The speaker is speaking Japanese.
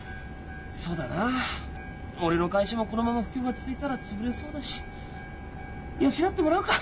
そうだな俺の会社もこのまま不況が続いたら潰れそうだし養ってもらうか。